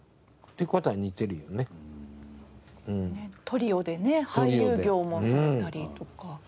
トリオでね俳優業もされたりとか。